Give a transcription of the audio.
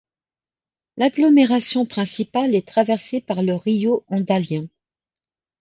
L'agglomération principale est traversée par le Río Andalién.